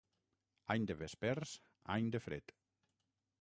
Any de vespers, any de fred.